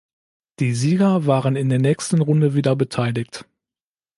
Die Sieger waren in der nächsten Runde wieder beteiligt.